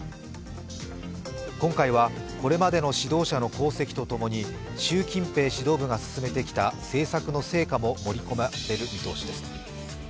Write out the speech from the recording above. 今回はこれまでの指導者の功績とともに習近平指導部が進めてきた政策の成果も盛り込まれる見通しです。